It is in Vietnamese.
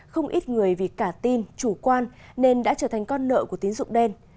không ít người vì cả tin chủ quan nên đã trở thành con nợ của tín dụng đen